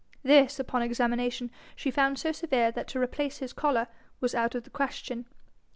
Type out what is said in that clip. This upon examination she found so severe that to replace his collar was out of the question.